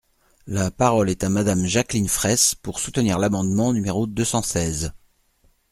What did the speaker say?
La parole est à Madame Jacqueline Fraysse, pour soutenir l’amendement numéro deux cent seize.